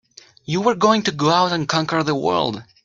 You were going to go out and conquer the world!